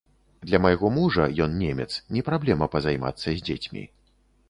Для майго мужа, ён немец, не праблема пазаймацца з дзецьмі.